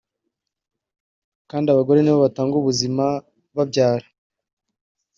kandi abagore nibo batanga ubuzima (babyara)